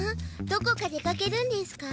どこか出かけるんですか？